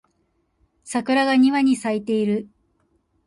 桜が庭に咲いている